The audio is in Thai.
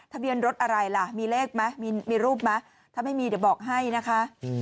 ทะเบียนรถอะไรล่ะมีเลขไหมมีรูปไหมถ้าไม่มีเดี๋ยวบอกให้นะคะ